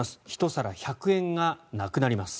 １皿１００円がなくなります。